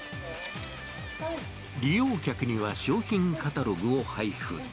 利用客には商品カタログを配布。